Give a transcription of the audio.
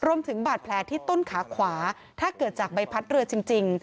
รวมถึงบาดแผลที่ต้นขาขวาถ้าเกิดจากใบพัดเรือจริง